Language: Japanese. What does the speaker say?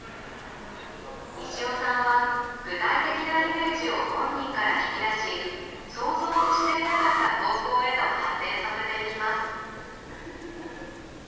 西尾さんは具体的なイメージを本人から引き出し想像もしていなかった方向へと発展させていきます。